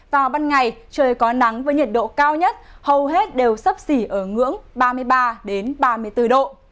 vào ban ngày trời có nắng với nhiệt độ cao nhất hầu hết đều sấp xỉ ở ngưỡng ba mươi ba ba mươi bốn độ